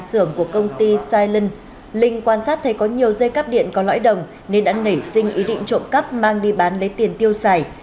các đối tượng của công ty silent linh quan sát thấy có nhiều dây cắp điện có lõi đồng nên đã nể sinh ý định trộm cắp mang đi bán lấy tiền tiêu xài